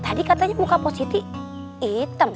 tadi katanya muka positif hitam